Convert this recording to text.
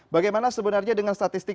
bagaimana sebenarnya dengan statistik